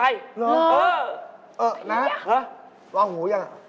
หรือเออน้ำวางหูยังอ่ะ